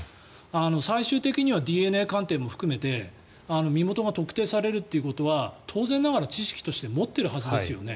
最終的にはＤＮＡ鑑定も含めて身元が特定されることは当然ながら知識として持っているはずですよね。